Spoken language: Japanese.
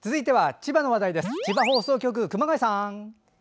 千葉放送局、熊谷さん。